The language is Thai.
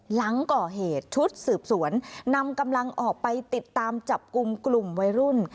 หลังก่อเหตุชุดสืบสวนนำกำลังออกไปติดตามจับกลุ่มกลุ่มวัยรุ่น